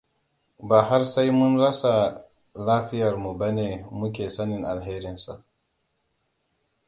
Ba har sai mun rasa lafiyarmu ba ne muke sanin alherinsa.